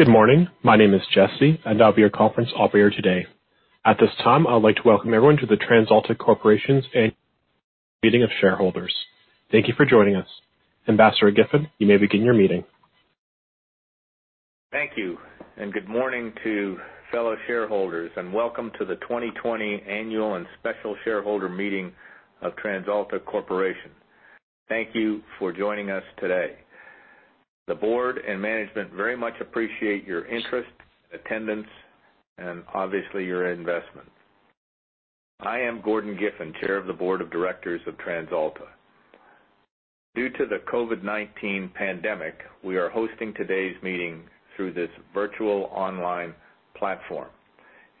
Good morning. My name is Jesse, and I'll be your conference operator today. At this time, I would like to welcome everyone to the TransAlta Corporation's Annual Meeting of Shareholders. Thank you for joining us. Ambassador Giffin, you may begin your meeting. Thank you, and good morning to fellow shareholders. Welcome to the 2020 Annual and Special Shareholder Meeting of TransAlta Corporation. Thank you for joining us today. The board and management very much appreciate your interest, attendance, and obviously, your investment. I am Gordon Giffin, Chair of the Board of Directors of TransAlta. Due to the COVID-19 pandemic, we are hosting today's meeting through this virtual online platform.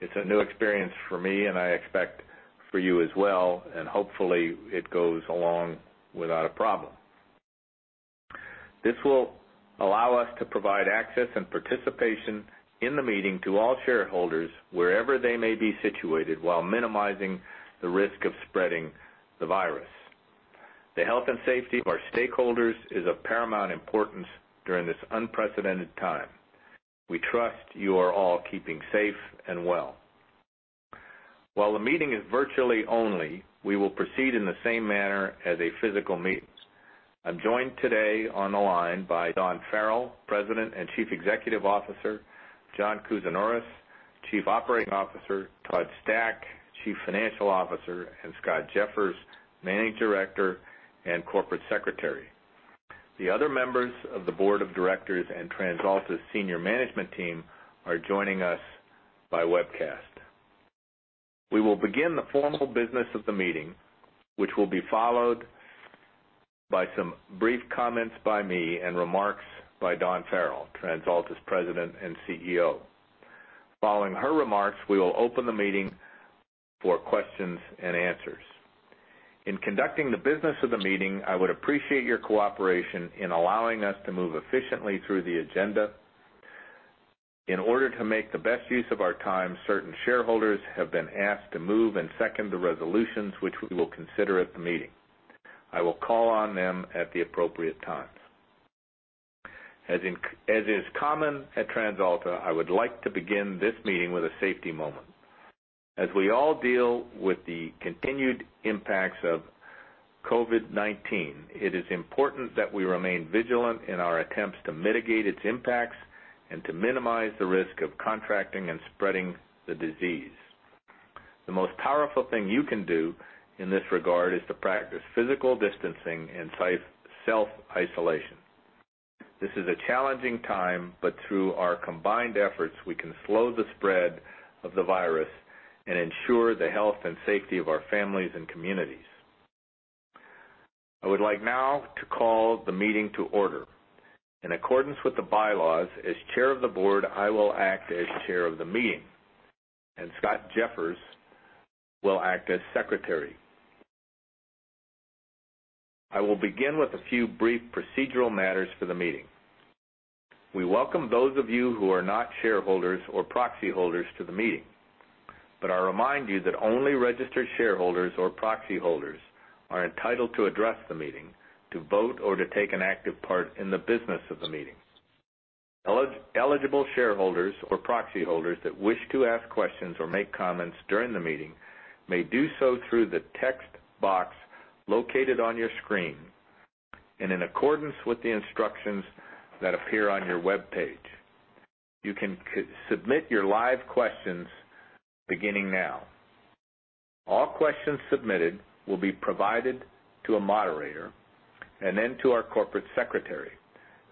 It's a new experience for me, and I expect for you as well. Hopefully it goes along without a problem. This will allow us to provide access and participation in the meeting to all shareholders wherever they may be situated, while minimizing the risk of spreading the virus. The health and safety of our stakeholders is of paramount importance during this unprecedented time. We trust you are all keeping safe and well. While the meeting is virtually only, we will proceed in the same manner as a physical meeting. I'm joined today on the line by Dawn Farrell, President and Chief Executive Officer, John Kousinioris, Chief Operating Officer, Todd Stack, Chief Financial Officer, and Scott Jeffers, Managing Director and Corporate Secretary. The other members of the board of directors and TransAlta's Senior Management team are joining us by webcast. We will begin the formal business of the meeting, which will be followed by some brief comments by me and remarks by Dawn Farrell, TransAlta's President and CEO. Following her remarks, we will open the meeting for questions and answers. In conducting the business of the meeting, I would appreciate your cooperation in allowing us to move efficiently through the agenda. In order to make the best use of our time, certain shareholders have been asked to move and second the resolutions which we will consider at the meeting. I will call on them at the appropriate time. As is common at TransAlta, I would like to begin this meeting with a safety moment. As we all deal with the continued impacts of COVID-19, it is important that we remain vigilant in our attempts to mitigate its impacts and to minimize the risk of contracting and spreading the disease. The most powerful thing you can do in this regard is to practice physical distancing and self-isolation. This is a challenging time, but through our combined efforts, we can slow the spread of the virus and ensure the health and safety of our families and communities. I would like now to call the meeting to order. In accordance with the By-laws, as Chair of the Board, I will act as Chair of the meeting, and Scott Jeffers will act as Secretary. I will begin with a few brief procedural matters for the meeting. We welcome those of you who are not shareholders or proxy holders to the meeting, but I remind you that only registered shareholders or proxy holders are entitled to address the meeting, to vote, or to take an active part in the business of the meeting. Eligible shareholders or proxy holders that wish to ask questions or make comments during the meeting may do so through the text box located on your screen and in accordance with the instructions that appear on your webpage. You can submit your live questions beginning now. All questions submitted will be provided to a moderator and then to our Corporate Secretary,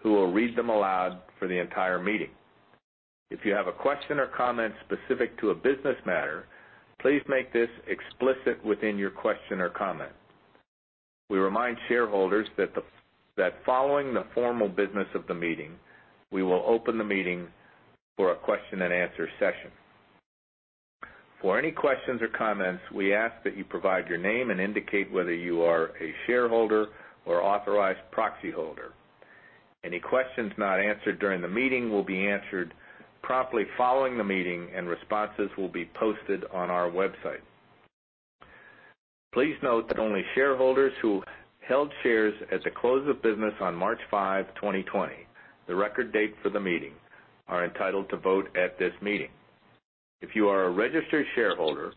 who will read them aloud for the entire meeting. If you have a question or comment specific to a business matter, please make this explicit within your question or comment. We remind shareholders that following the formal business of the meeting, we will open the meeting for a question and answer Session. For any questions or comments, we ask that you provide your name and indicate whether you are a shareholder or authorized proxy holder. Any questions not answered during the meeting will be answered promptly following the meeting, and responses will be posted on our website. Please note that only shareholders who held shares at the close of business on March 5, 2020, the record date for the meeting, are entitled to vote at this meeting. If you are a registered shareholder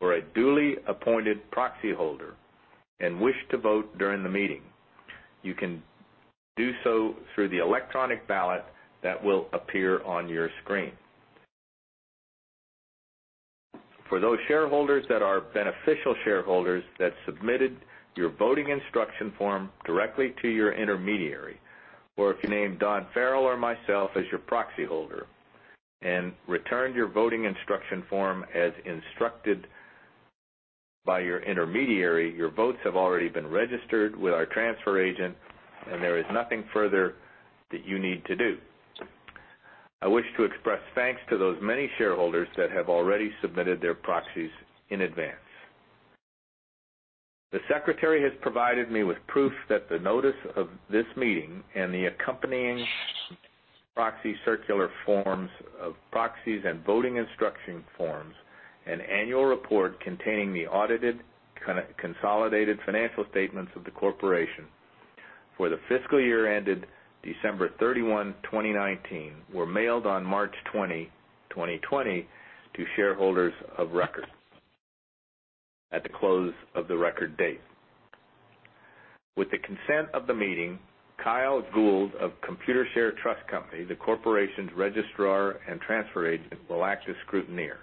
or a duly appointed proxy holder and wish to vote during the meeting, you can do so through the electronic ballot that will appear on your screen. For those shareholders that are beneficial shareholders that submitted your voting instruction form directly to your intermediary, or if you named Dawn Farrell or myself as your proxy holder and returned your voting instruction form as instructed by your intermediary, your votes have already been registered with our transfer agent, and there is nothing further that you need to do. I wish to express thanks to those many shareholders that have already submitted their proxies in advance. The Secretary has provided me with proof that the notice of this meeting and the accompanying proxy circular forms, proxies and voting instruction forms, an annual report containing the audited consolidated financial statements of the Corporation for the fiscal year ended December 31, 2019, were mailed on March 20, 2020, to shareholders of record at the close of the record date. With the consent of the meeting, Kyle Gould of Computershare Trust Company, the corporation's registrar and transfer agent, will act as Scrutineer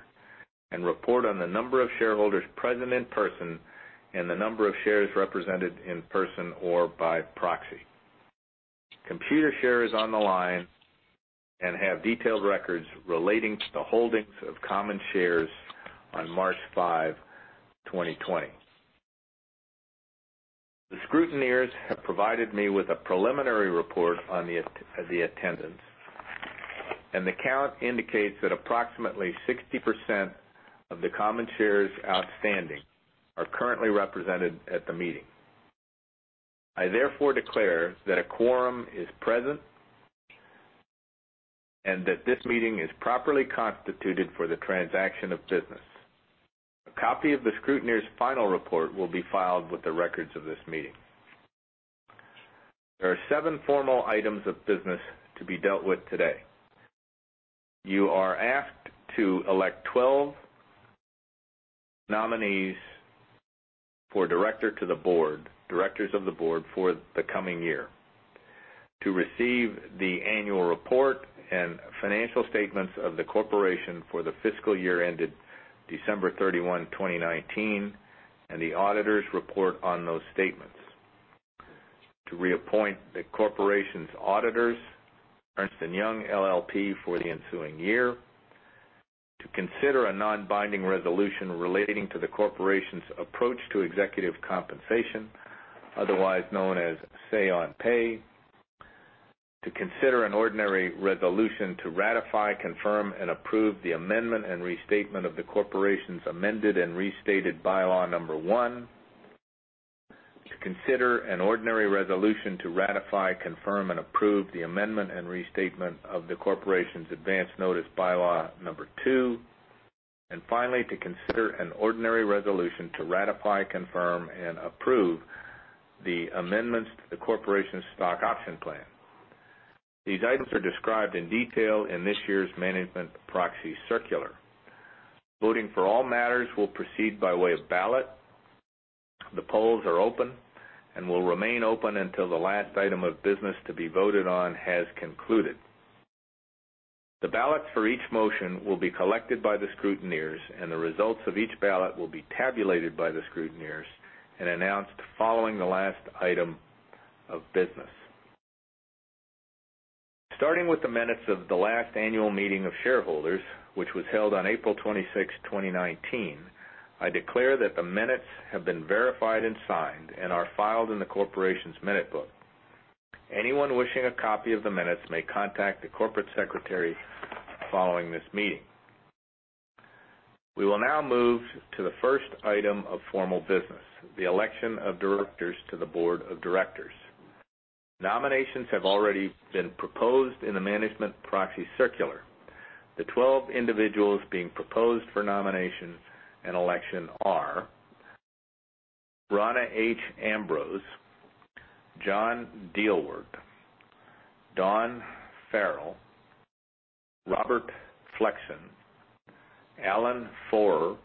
and report on the number of shareholders present in person and the number of shares represented in person or by proxy. Computershare is on the line and have detailed records relating to the holdings of common shares on March 5, 2020. The scrutineers have provided me with a preliminary report on the attendance. The count indicates that approximately 60% of the common shares outstanding are currently represented at the meeting. I therefore declare that a quorum is present and that this meeting is properly constituted for the transaction of business. A copy of the scrutineer's final report will be filed with the records of this meeting. There are seven formal items of business to be dealt with today. You are asked to elect 12 nominees for directors of the board for the coming year, to receive the annual report and financial statements of the corporation for the fiscal year ended December 31, 2019, and the auditors' report on those statements, to reappoint the corporation's auditors, Ernst & Young LLP for the ensuing year, to consider a non-binding resolution relating to the corporation's approach to executive compensation, otherwise known as say on pay. To consider an ordinary resolution to ratify, confirm, and approve the amendment and restatement of the corporation's amended and restated By-law No. 1. To consider an ordinary resolution to ratify, confirm, and approve the amendment and restatement of the corporation's Advance Notice By-law No. 2. Finally, to consider an ordinary resolution to ratify, confirm, and approve the amendments to the corporation's Stock Option Plan. These items are described in detail in this year's Management Proxy Circular. Voting for all matters will proceed by way of ballot. The polls are open and will remain open until the last item of business to be voted on has concluded. The ballot for each motion will be collected by the Scrutineers, and the results of each ballot will be tabulated by the Scrutineers and announced following the last item of business. Starting with the minutes of the last Annual Meeting of Shareholders, which was held on April 26th, 2019, I declare that the minutes have been verified and signed and are filed in the corporation's minute book. Anyone wishing a copy of the minutes may contact the Corporate Secretary following this meeting. We will now move to the first item of formal business, the election of directors to the board of directors. Nominations have already been proposed in the Management Proxy Circular. The 12 individuals being proposed for nomination and election are Rona H. Ambrose, John Dielwart, Dawn Farrell, Robert Flexon, Alan Fohrer,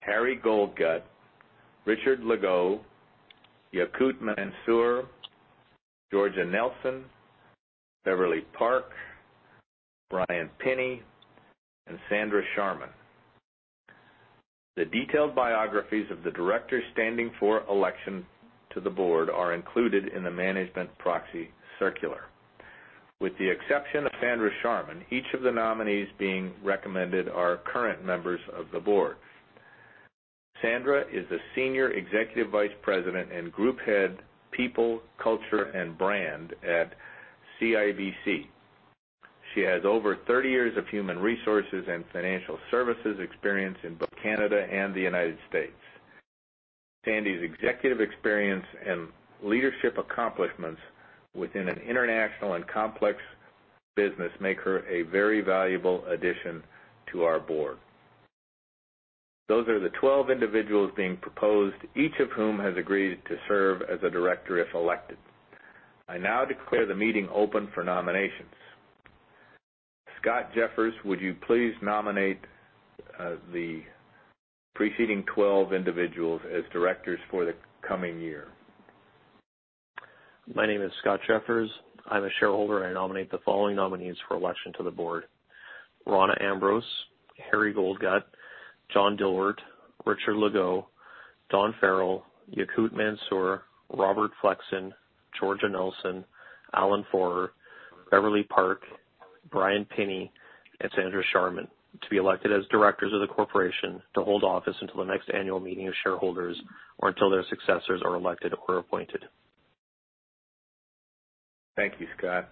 Harry Goldgut, Richard Legault, Yakout Mansour, Georgia Nelson, Beverlee Park, Bryan Pinney, and Sandra Sharman. The detailed biographies of the directors standing for election to the board are included in the Management Proxy Circular. With the exception of Sandra Sharman, each of the nominees being recommended are current members of the board. Sandra is the Senior Executive Vice President and Group Head, People, Culture, and Brand at CIBC. She has over 30 years of human resources and financial services experience in both Canada and the United States. Sandra's executive experience and leadership accomplishments within an international and complex business make her a very valuable addition to our board. Those are the 12 individuals being proposed, each of whom has agreed to serve as a Director, if elected. I now declare the meeting open for nominations. Scott Jeffers, would you please nominate the preceding 12 individuals as directors for the coming year? My name is Scott Jeffers. I'm a Shareholder, and I nominate the following nominees for election to the board. Rona Ambrose, Harry Goldgut, John Dielwart, Richard Legault, Dawn Farrell, Yakout Mansour, Robert Flexon, Georgia Nelson, Alan Fohrer, Beverlee Park, Bryan Pinney, and Sandra Sharman, to be elected as directors of the corporation to hold office until the next Annual Meeting of Shareholders or until their successors are elected or appointed. Thank you, Scott.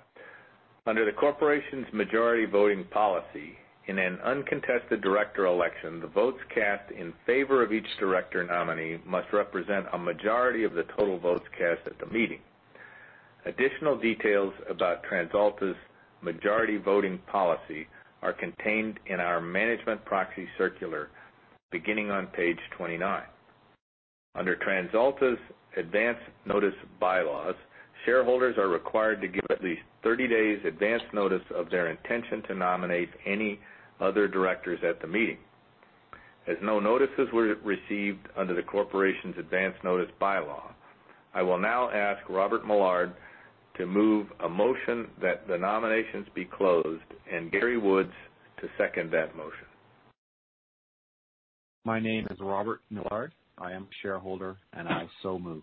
Under the corporation's majority voting policy, in an uncontested director election, the votes cast in favor of each director nominee must represent a majority of the total votes cast at the meeting. Additional details about TransAlta's majority voting policy are contained in our Management Proxy Circular, beginning on page 29. Under TransAlta's Advance Notice By-laws, shareholders are required to give at least 30 days advance notice of their intention to nominate any other directors at the meeting. As no notices were received under the corporation's Advance Notice By-law, I will now ask Robert Millard to move a motion that the nominations be closed and Gary Woods to second that motion. My name is Robert Millard. I am a Shareholder, and I so move.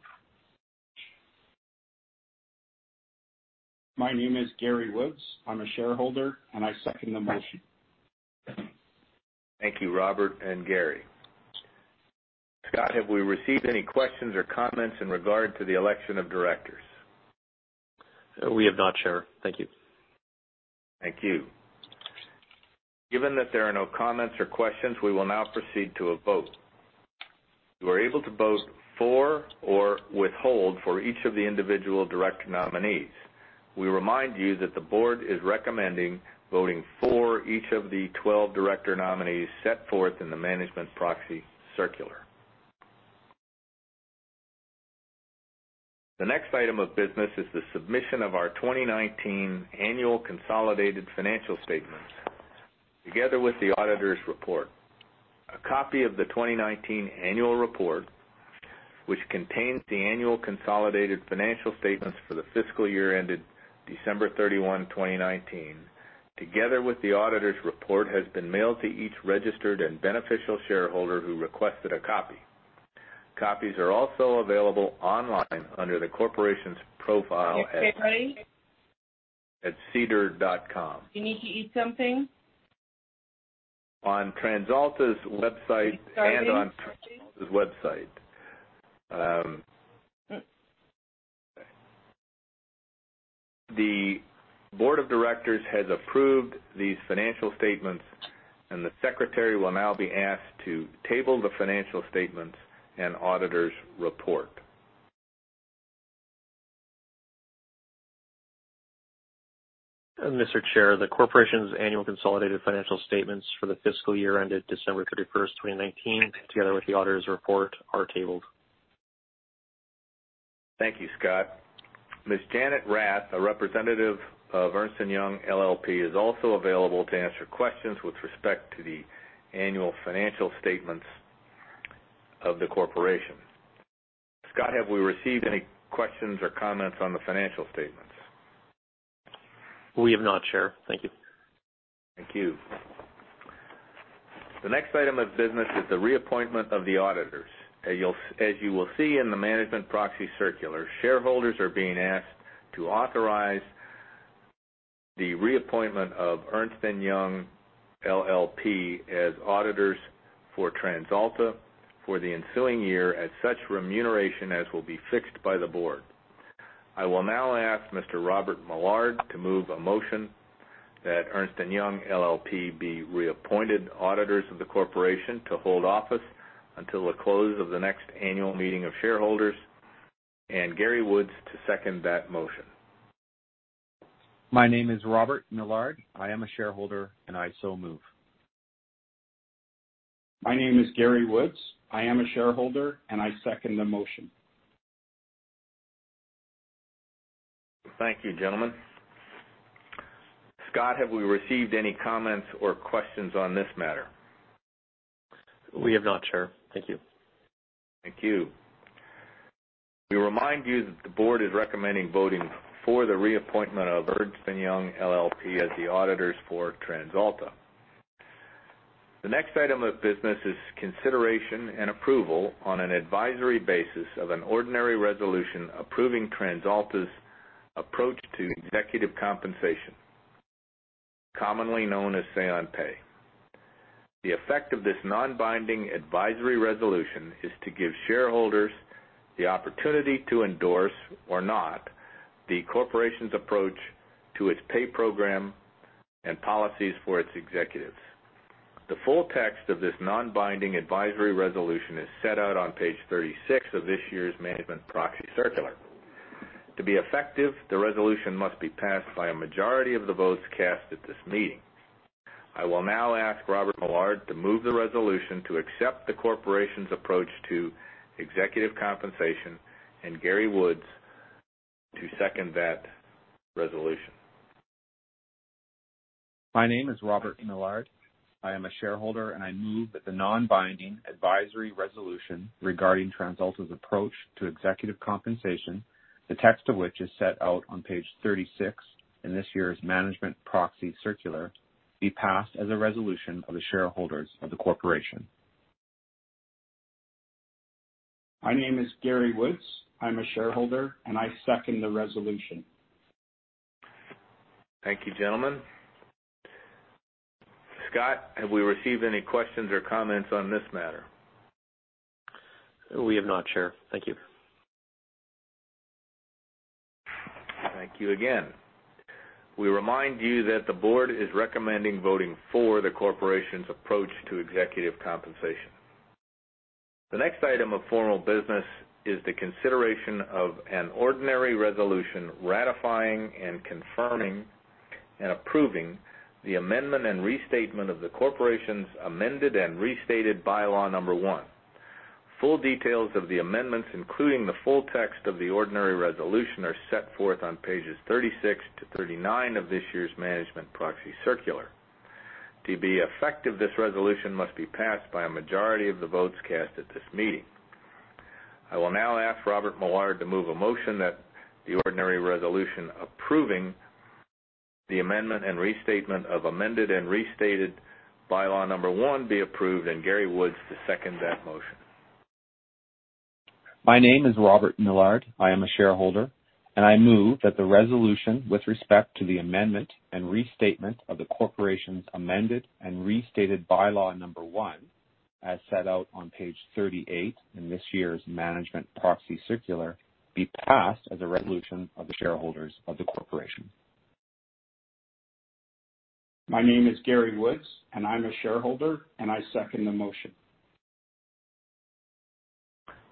My name is Gary Woods. I'm a Shareholder, and I second the motion. Thank you, Robert and Gary. Scott, have we received any questions or comments in regard to the election of directors? We have not, Chair. Thank you. Thank you. Given that there are no comments or questions, we will now proceed to a vote. You are able to vote for or withhold for each of the individual director nominees. We remind you that the board is recommending voting for each of the 12 director nominees set forth in the Management Proxy Circular. The next item of business is the submission of our 2019 annual consolidated financial statements together with the auditor's report. A copy of the 2019 annual report, which contains the annual consolidated financial statements for the fiscal year ended December 31, 2019, together with the auditor's report, has been mailed to each registered and beneficial shareholder who requested a copy. Copies are also available online under the corporation's profile. Are you ready? At sedar.com. You need to eat something? On TransAlta's website. Are you starving? The board of directors has approved these financial statements, and the Secretary will now be asked to table the financial statements and auditor's report. Mr. Chair, the corporation's annual consolidated financial statements for the fiscal year ended December 31st, 2019, together with the auditor's report, are tabled. Thank you, Scott. Ms. Janice Rath, a representative of Ernst & Young LLP, is also available to answer questions with respect to the annual financial statements of the corporation. Scott, have we received any questions or comments on the financial statements? We have not, Chair. Thank you. Thank you. The next item of business is the reappointment of the auditors. As you will see in the Management Proxy Circular, shareholders are being asked to authorize the reappointment of Ernst & Young LLP as auditors for TransAlta for the ensuing year at such remuneration as will be fixed by the board. I will now ask Mr. Robert Millard to move a motion that Ernst & Young LLP be reappointed auditors of the corporation to hold office until the close of the next Annual Meeting of Shareholders, and Gary Woods to second that motion. My name is Robert Millard. I am a Shareholder, and I so move. My name is Gary Woods. I am a Shareholder, and I second the motion. Thank you, gentlemen. Scott, have we received any comments or questions on this matter? We have not, Chair. Thank you. Thank you. We remind you that the board is recommending voting for the reappointment of Ernst & Young LLP as the auditors for TransAlta. The next item of business is consideration and approval on an advisory basis of an ordinary resolution approving TransAlta's approach to executive compensation, commonly known as say on pay. The effect of this non-binding advisory resolution is to give shareholders the opportunity to endorse or not the corporation's approach to its pay program and policies for its executives. The full text of this non-binding advisory resolution is set out on page 36 of this year's Management Proxy Circular. To be effective, the resolution must be passed by a majority of the votes cast at this meeting. I will now ask Robert Millard to move the resolution to accept the corporation's approach to executive compensation and Gary Woods to second that resolution. My name is Robert Millard. I am a Shareholder, and I move that the non-binding advisory resolution regarding TransAlta's approach to executive compensation, the text of which is set out on page 36 in this year's Management Proxy Circular, be passed as a resolution of the shareholders of the corporation. My name is Gary Woods. I'm a Shareholder, and I second the resolution. Thank you, gentlemen. Scott, have we received any questions or comments on this matter? We have not, Chair. Thank you. Thank you again. We remind you that the board is recommending voting for the corporation's approach to executive compensation. The next item of formal business is the consideration of an ordinary resolution ratifying and confirming and approving the amendment and restatement of the corporation's Amended and Restated By-law No. 1. Full details of the amendments, including the full text of the ordinary resolution, are set forth on pages 36-39 of this year's Management Proxy Circular. To be effective, this resolution must be passed by a majority of the votes cast at this meeting. I will now ask Robert Millard to move a motion that the ordinary resolution approving the amendment and restatement of Amended and Restated By-law No. 1 be approved, and Gary Woods to second that motion. My name is Robert Millard. I am a Shareholder. I move that the resolution with respect to the amendment and restatement of the corporation's amended and restated By-law No. 1, as set out on page 38 in this year's Management Proxy Circular, be passed as a resolution of the shareholders of the corporation. My name is Gary Woods. I'm a Shareholder, and I second the motion.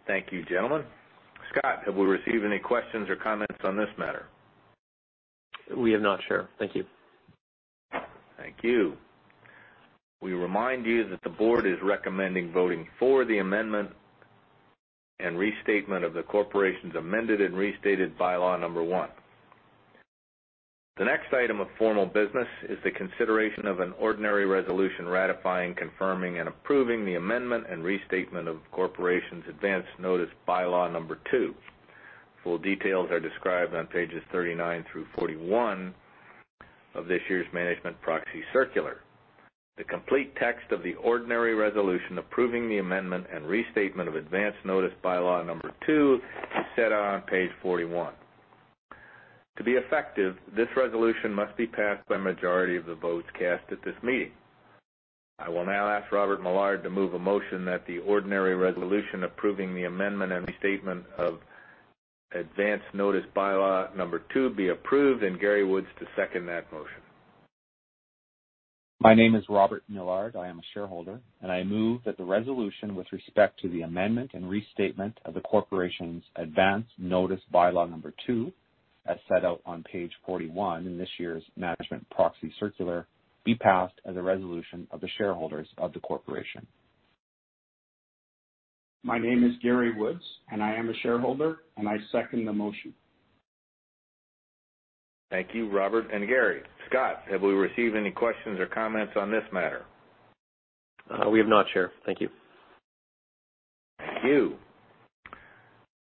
Thank you, gentlemen. Scott, have we received any questions or comments on this matter? We have not, Chair. Thank you. Thank you. We remind you that the Board is recommending voting for the amendment and restatement of the corporation's amended and restated By-law No. 1. The next item of formal business is the consideration of an ordinary resolution ratifying, confirming, and approving the amendment and restatement of the corporation's Advance Notice By-law No. 2. Full details are described on pages 39 through 41 of this year's Management Proxy Circular. The complete text of the ordinary resolution approving the amendment and restatement of Advance Notice By-law No. 2 is set out on page 41. To be effective, this resolution must be passed by a majority of the votes cast at this meeting. I will now ask Robert Millard to move a motion that the ordinary resolution approving the amendment and restatement of Advance Notice By-law No. 2 be approved, and Gary Woods to second that motion. My name is Robert Millard. I am a Shareholder. I move that the resolution with respect to the amendment and restatement of the corporation's Advance Notice By-law No. 2, as set out on page 41 in this year's Management Proxy Circular, be passed as a resolution of the shareholders of the corporation. My name is Gary Woods. I am a Shareholder, and I second the motion. Thank you, Robert and Gary. Scott, have we received any questions or comments on this matter? We have not, Chair. Thank you. Thank you.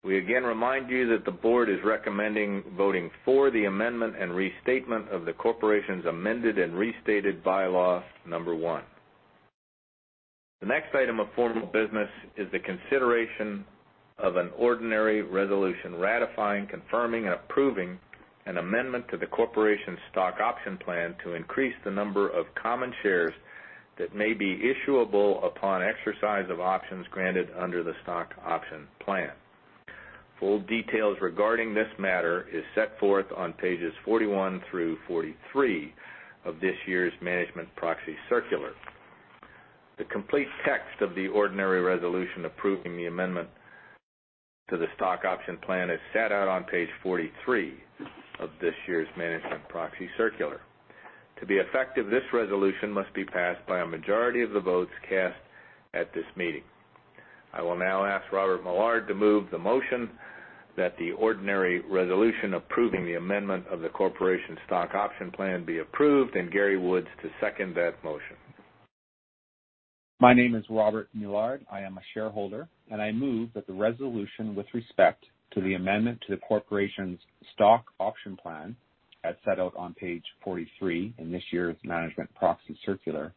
We again remind you that the Board is recommending voting for the amendment and restatement of the corporation's amended and restated By-law No. 1. The next item of formal business is the consideration of an ordinary resolution ratifying, confirming, and approving an amendment to the corporation's Stock Option Plan to increase the number of common shares that may be issuable upon exercise of options granted under the Stock Option Plan. Full details regarding this matter is set forth on pages 41 through 43 of this year's Management Proxy Circular. The complete text of the ordinary resolution approving the amendment to the Stock Option Plan is set out on page 43 of this year's Management Proxy Circular. To be effective, this resolution must be passed by a majority of the votes cast at this meeting. I will now ask Robert Millard to move the motion that the ordinary resolution approving the amendment of the corporation's Stock Option Plan be approved, and Gary Woods to second that motion. My name is Robert Millard. I am a Shareholder. I move that the resolution with respect to the amendment to the corporation's Stock Option Plan, as set out on page 43 in this year's Management Proxy Circular,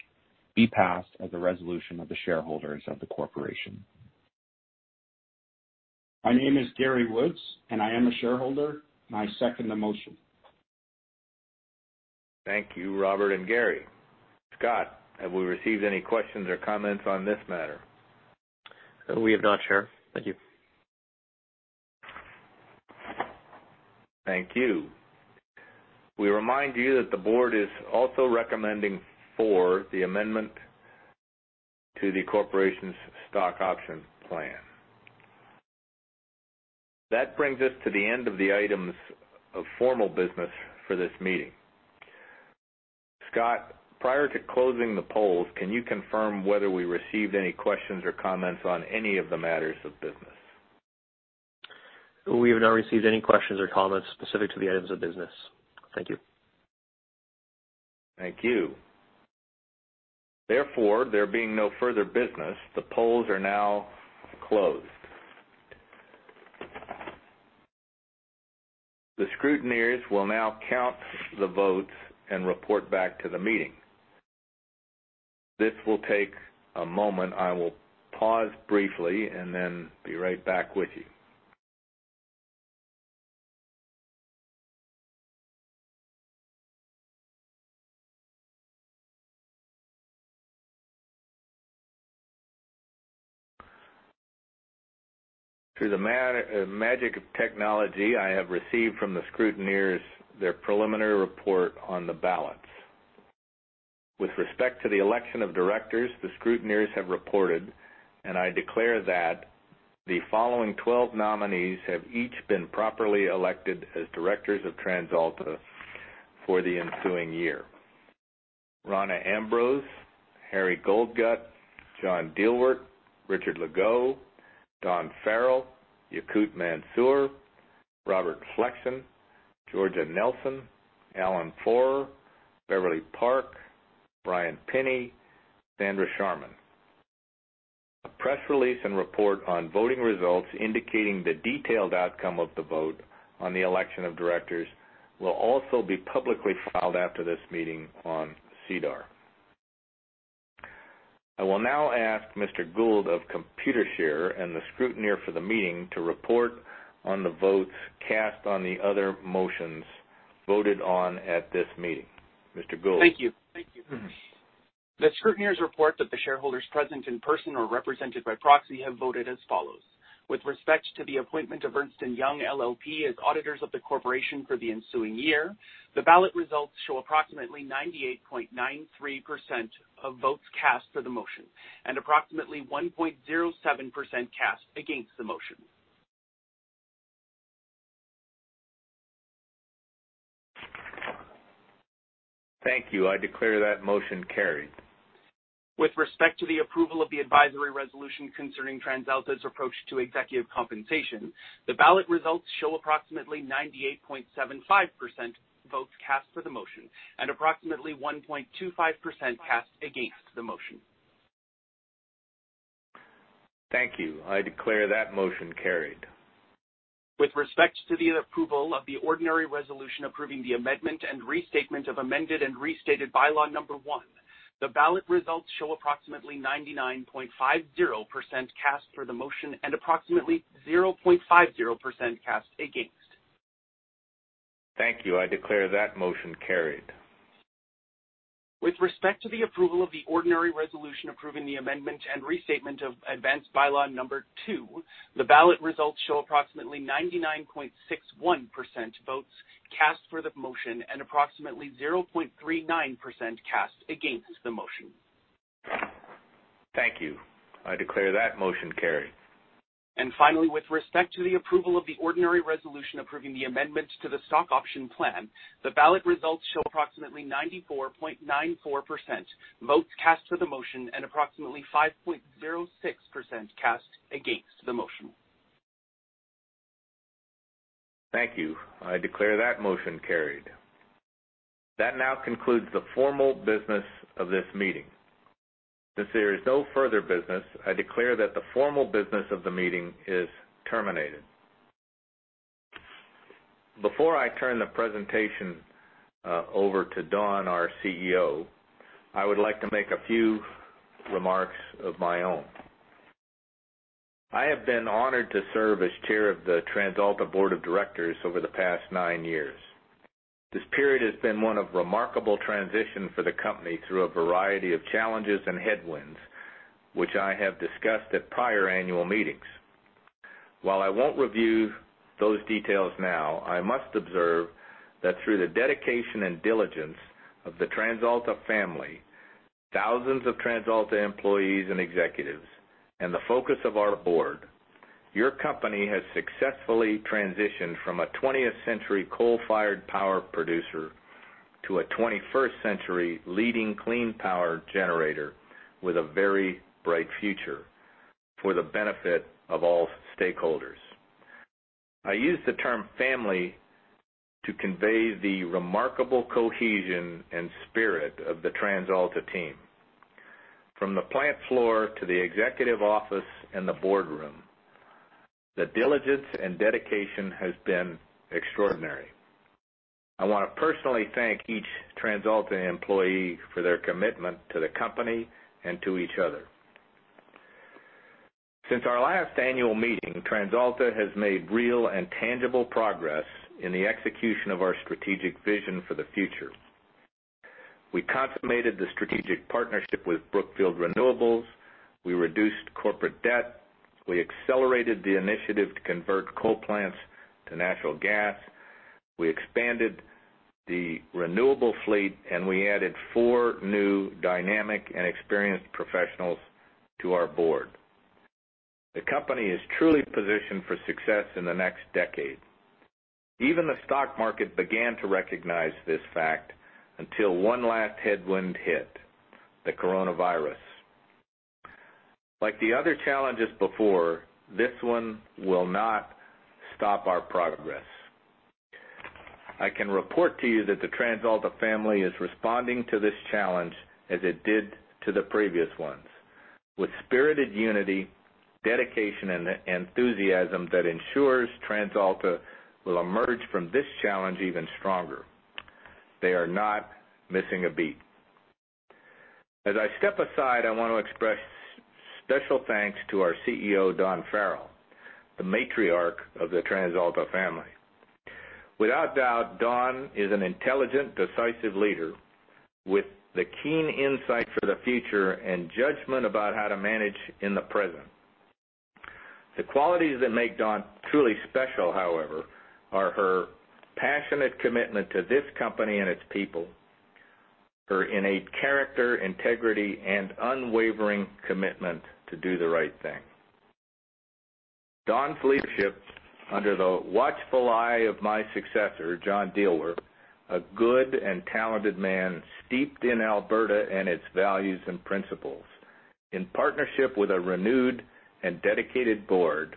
be passed as a resolution of the shareholders of the corporation. My name is Gary Woods. I am a Shareholder, and I second the motion. Thank you, Robert and Gary. Scott, have we received any questions or comments on this matter? We have not, Chair. Thank you. Thank you. We remind you that the Board is also recommending for the amendment to the corporation's Stock Option Plan. That brings us to the end of the items of formal business for this meeting. Scott, prior to closing the polls, can you confirm whether we received any questions or comments on any of the matters of business? We have not received any questions or comments specific to the items of business. Thank you. Thank you. Therefore, there being no further business, the polls are now closed. The scrutineers will now count the votes and report back to the meeting. This will take a moment. I will pause briefly and then be right back with you. Through the magic of technology, I have received from the scrutineers their preliminary report on the ballots. With respect to the election of directors, the scrutineers have reported, and I declare that the following 12 nominees have each been properly elected as directors of TransAlta for the ensuing year. Rona Ambrose, Harry Goldgut, John Dielwart, Richard Legault, Dawn Farrell, Yakout Mansour, Robert Flexon, Georgia Nelson, Alan Fohrer, Beverlee Park, Bryan Pinney, Sandra Sharman. A press release and report on voting results indicating the detailed outcome of the vote on the election of directors will also be publicly filed after this meeting on SEDAR. I will now ask Mr. Gould of Computershare and the Scrutineer for the meeting to report on the votes cast on the other motions voted on at this meeting. Mr. Gould? Thank you. The Scrutineers report that the shareholders present in person or represented by proxy have voted as follows. With respect to the appointment of Ernst & Young LLP as auditors of the corporation for the ensuing year, the ballot results show approximately 98.93% of votes cast for the motion, and approximately 1.07% cast against the motion. Thank you. I declare that motion carried. With respect to the approval of the advisory resolution concerning TransAlta's approach to executive compensation, the ballot results show approximately 98.75% votes cast for the motion, and approximately 1.25% cast against the motion. Thank you. I declare that motion carried. With respect to the approval of the ordinary resolution approving the amendment and restatement of Amended and Restated By-law No. 1, the ballot results show approximately 99.50% cast for the motion and approximately 0.50% cast against. Thank you. I declare that motion carried. With respect to the approval of the ordinary resolution approving the amendment and restatement of Advance Notice By-law No. 2, the ballot results show approximately 99.61% votes cast for the motion and approximately 0.39% cast against the motion. Thank you. I declare that motion carried. Finally, with respect to the approval of the ordinary resolution approving the amendment to the Stock Option Plan, the ballot results show approximately 94.94% votes cast for the motion and approximately 5.06% cast against the motion. Thank you. I declare that motion carried. That now concludes the formal business of this meeting. Since there is no further business, I declare that the formal business of the meeting is terminated. Before I turn the presentation over to Dawn, our CEO, I would like to make a few remarks of my own. I have been honored to serve as Chair of the TransAlta Board of Directors over the past nine years. This period has been one of remarkable transition for the company through a variety of challenges and headwinds, which I have discussed at prior annual meetings. While I won't review those details now, I must observe that through the dedication and diligence of the TransAlta family, thousands of TransAlta employees and executives, and the focus of our board, your company has successfully transitioned from a 20th century coal-fired power producer to a 21st century leading clean power generator with a very bright future for the benefit of all stakeholders. I use the term family to convey the remarkable cohesion and spirit of the TransAlta team. From the plant floor to the executive office and the boardroom, the diligence and dedication has been extraordinary. I want to personally thank each TransAlta employee for their commitment to the company and to each other. Since our last annual meeting, TransAlta has made real and tangible progress in the execution of our strategic vision for the future. We consummated the strategic partnership with Brookfield Renewables, we reduced corporate debt, we accelerated the initiative to convert coal plants to natural gas, we expanded the renewable fleet, and we added four new dynamic and experienced professionals to our board. The company is truly positioned for success in the next decade. Even the stock market began to recognize this fact until one last headwind hit, the coronavirus. Like the other challenges before, this one will not stop our progress. I can report to you that the TransAlta family is responding to this challenge as it did to the previous ones, with spirited unity, dedication, and enthusiasm that ensures TransAlta will emerge from this challenge even stronger. They are not missing a beat. As I step aside, I want to express special thanks to our CEO, Dawn Farrell, the matriarch of the TransAlta family. Without doubt, Dawn is an intelligent, decisive leader with the keen insight for the future and judgment about how to manage in the present. The qualities that make Dawn truly special, however, are her passionate commitment to this company and its people, her innate character, integrity, and unwavering commitment to do the right thing. Dawn's leadership, under the watchful eye of my successor, John Dielwart, a good and talented man steeped in Alberta and its values and principles, in partnership with a renewed and dedicated Board,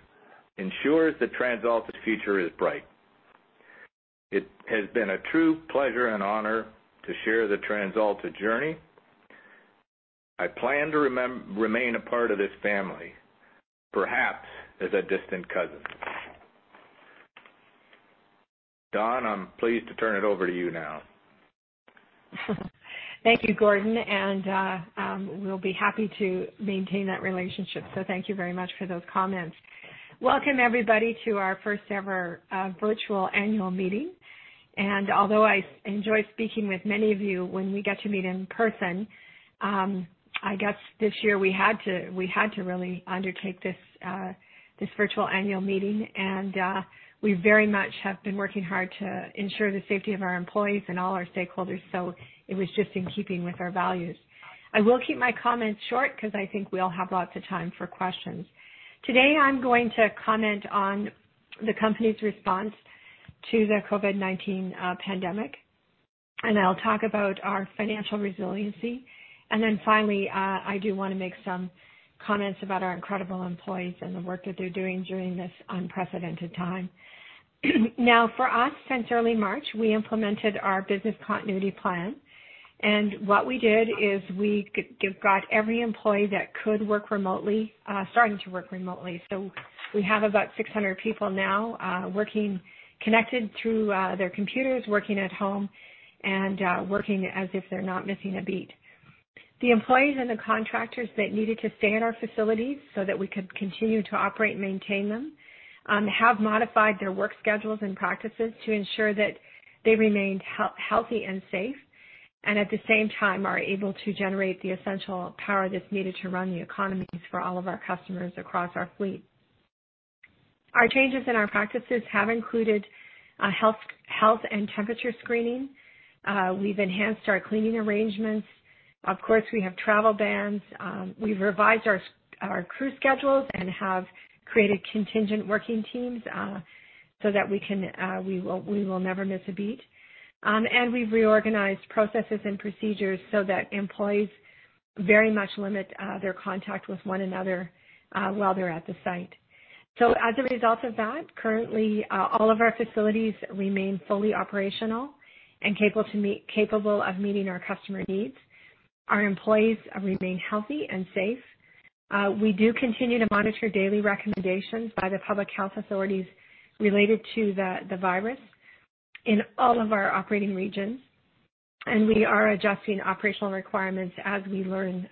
ensures that TransAlta's future is bright. It has been a true pleasure and honor to share the TransAlta journey. I plan to remain a part of this family, perhaps as a distant cousin. Dawn, I'm pleased to turn it over to you now. Thank you, Gordon, and we'll be happy to maintain that relationship. Thank you very much for those comments. Welcome, everybody, to our first-ever virtual annual meeting. Although I enjoy speaking with many of you when we get to meet in person, I guess this year we had to really undertake this virtual annual meeting. We very much have been working hard to ensure the safety of our employees and all our stakeholders, so it was just in keeping with our values. I will keep my comments short because I think we all have lots of time for questions. Today, I'm going to comment on the company's response to the COVID-19 pandemic, and I'll talk about our financial resiliency. Finally, I do want to make some comments about our incredible employees and the work that they're doing during this unprecedented time. Now, for us, since early March, we implemented our business continuity plan. What we did is we got every employee that could work remotely, starting to work remotely. We have about 600 people now working, connected through their computers, working at home, and working as if they're not missing a beat. The employees and the contractors that needed to stay in our facilities so that we could continue to operate and maintain them have modified their work schedules and practices to ensure that they remained healthy and safe, and at the same time are able to generate the essential power that's needed to run the economies for all of our customers across our fleet. Our changes in our practices have included health and temperature screening. We've enhanced our cleaning arrangements. Of course, we have travel bans. We've revised our crew schedules and have created contingent working teams so that we will never miss a beat. We've reorganized processes and procedures so that employees very much limit their contact with one another while they're at the site. As a result of that, currently, all of our facilities remain fully operational and capable of meeting our customer needs. Our employees remain healthy and safe. We do continue to monitor daily recommendations by the public health authorities related to the virus in all of our operating regions, and we are adjusting operational requirements as we learn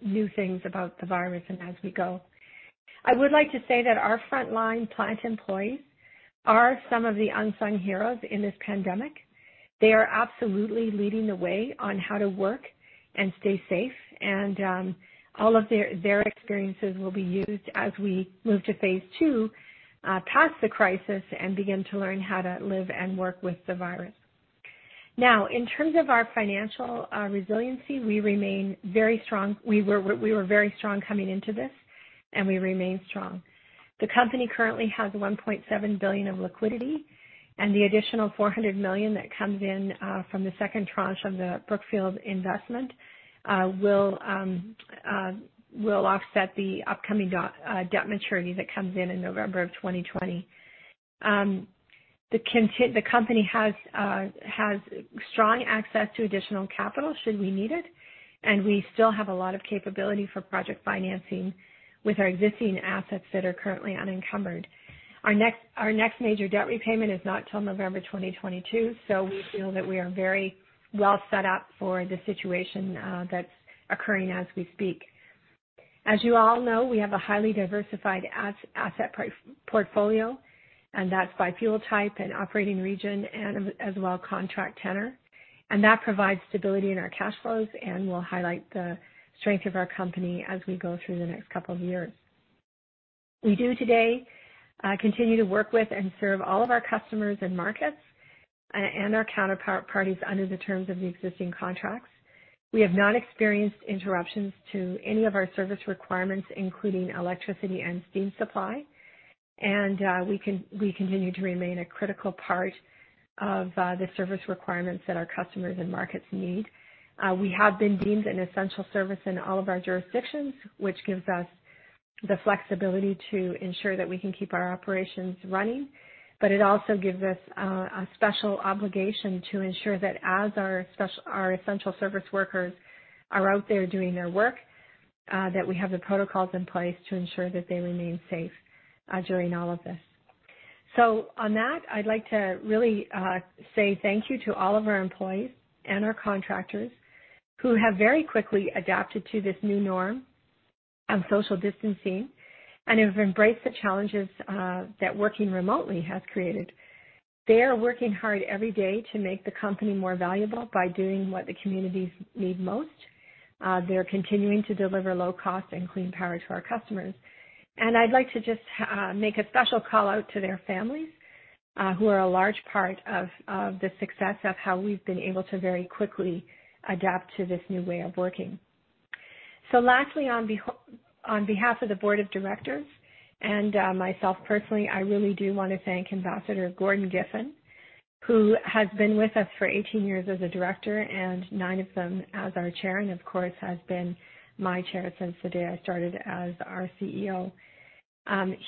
new things about the virus and as we go. I would like to say that our frontline plant employees are some of the unsung heroes in this pandemic. They are absolutely leading the way on how to work and stay safe, and all of their experiences will be used as we move to phase II, past the crisis and begin to learn how to live and work with the virus. Now, in terms of our financial resiliency, we were very strong coming into this, and we remain strong. The company currently has 1.7 billion of liquidity, and the additional 400 million that comes in from the second tranche of the Brookfield investment will offset the upcoming debt maturity that comes in November of 2020. The company has strong access to additional capital should we need it, and we still have a lot of capability for project financing with our existing assets that are currently unencumbered. Our next major debt repayment is not till November 2022, so we feel that we are very well set up for the situation that's occurring as we speak. As you all know, we have a highly diversified asset portfolio, and that's by fuel type and operating region and as well, contract tenor. That provides stability in our cash flows and will highlight the strength of our company as we go through the next couple of years. We do today continue to work with and serve all of our customers and markets and our counterparties under the terms of the existing contracts. We have not experienced interruptions to any of our service requirements, including electricity and steam supply. We continue to remain a critical part of the service requirements that our customers and markets need. We have been deemed an essential service in all of our jurisdictions, which gives us the flexibility to ensure that we can keep our operations running. It also gives us a special obligation to ensure that as our essential service workers are out there doing their work, that we have the protocols in place to ensure that they remain safe during all of this. On that, I'd like to really say thank you to all of our employees and our contractors who have very quickly adapted to this new norm of social distancing and have embraced the challenges that working remotely has created. They are working hard every day to make the company more valuable by doing what the communities need most. They're continuing to deliver low-cost and clean power to our customers. I'd like to just make a special call-out to their families, who are a large part of the success of how we've been able to very quickly adapt to this new way of working. Lastly, on behalf of the board of directors and myself personally, I really do want to thank Ambassador Gordon Giffin, who has been with us for 18 years as a Director and nine of them as our Chair, and of course, has been my Chair since the day I started as our CEO.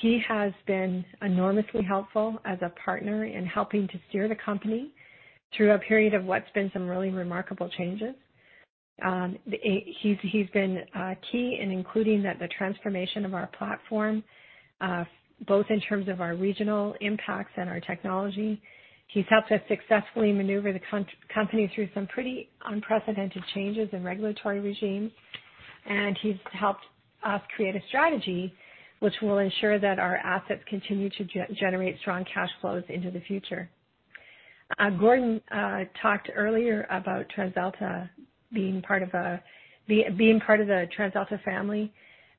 He has been enormously helpful as a partner in helping to steer the company through a period of what's been some really remarkable changes. He's been key in including the transformation of our platform, both in terms of our regional impacts and our technology. He's helped us successfully maneuver the company through some pretty unprecedented changes in regulatory regime, and he's helped us create a strategy which will ensure that our assets continue to generate strong cash flows into the future. Gordon talked earlier about being part of the TransAlta family.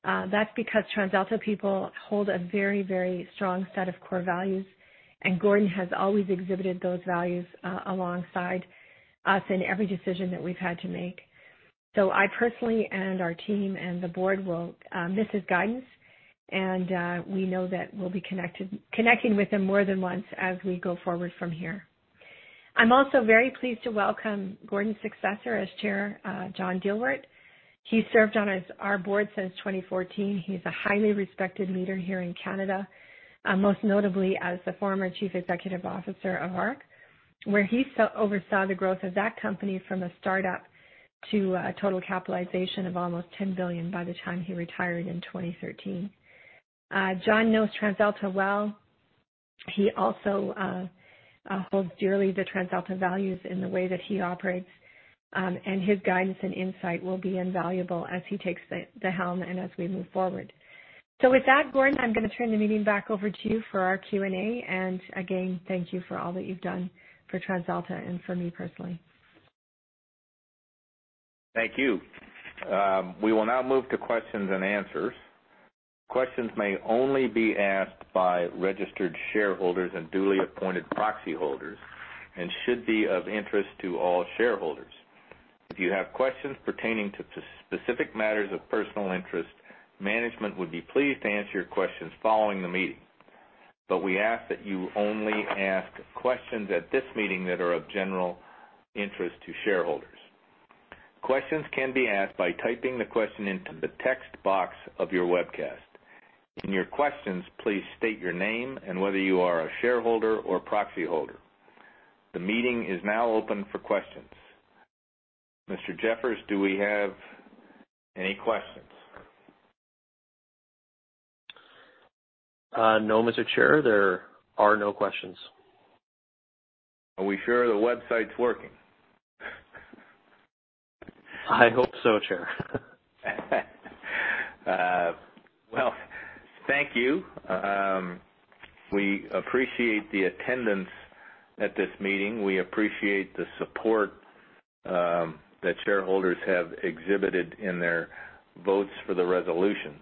That's because TransAlta people hold a very strong set of core values, and Gordon has always exhibited those values alongside us in every decision that we've had to make. I personally, and our team and the board will miss his guidance, and we know that we'll be connecting with him more than once as we go forward from here. I'm also very pleased to welcome Gordon's successor as Chair, John Dielwart. He served on our board since 2014. He's a highly respected leader here in Canada, most notably as the former Chief Executive Officer of ARC, where he oversaw the growth of that company from a startup to a total capitalization of almost 10 billion by the time he retired in 2013. John knows TransAlta well. He also holds dearly the TransAlta values in the way that he operates. His guidance and insight will be invaluable as he takes the helm and as we move forward. With that, Gordon, I'm going to turn the meeting back over to you for our Q&A. Again, thank you for all that you've done for TransAlta and for me personally. Thank you. We will now move to questions and answers. Questions may only be asked by registered shareholders and duly appointed proxy holders and should be of interest to all shareholders. If you have questions pertaining to specific matters of personal interest, management would be pleased to answer your questions following the meeting. We ask that you only ask questions at this meeting that are of general interest to shareholders. Questions can be asked by typing the question into the text box of your webcast. In your questions, please state your name and whether you are a shareholder or proxy holder. The meeting is now open for questions. Mr. Jeffers, do we have any questions? No, Mr. Chair, there are no questions. Are we sure the website's working? I hope so, Chair. Well, thank you. We appreciate the attendance at this meeting. We appreciate the support that shareholders have exhibited in their votes for the resolutions.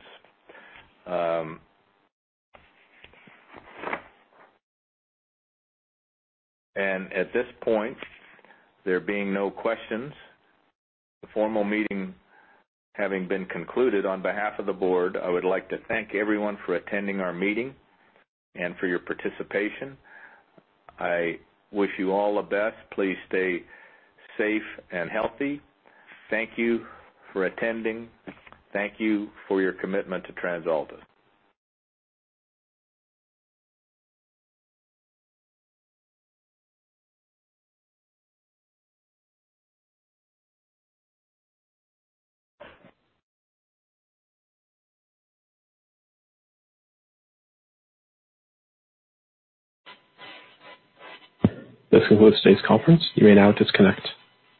At this point, there being no questions, the formal meeting having been concluded, on behalf of the board, I would like to thank everyone for attending our meeting and for your participation. I wish you all the best. Please stay safe and healthy. Thank you for attending. Thank you for your commitment to TransAlta. This concludes today's conference. You may now disconnect.